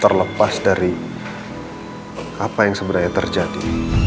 terlepas dari apa yang sebenarnya terjadi